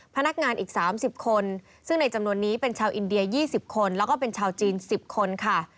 พนักงานอีก๓๐คนซึ่งในจำนวนนี้เป็นชาวอินเดีย๒๐คนแล้วก็เป็นชาวจีน๑๐คนค่ะ